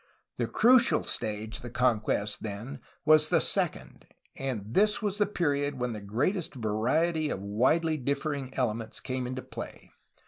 The crucial stage of the conquest, then, was the second, and this was the period when the greatest variety of widely differing elements came into play.